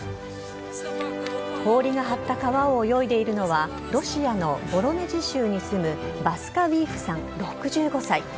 氷が張った川を泳いでいるのはロシアのボロネジ州に住むバスカヴィーフさん、６５歳。